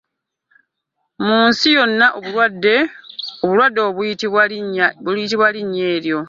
Mu nsi yonna obulwadde obwo buyitibwa linnya eryo.